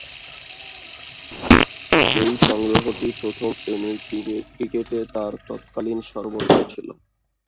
এ সংগ্রহটি প্রথম-শ্রেণীর ক্রিকেটে তার তৎকালীন সর্বোচ্চ ছিল।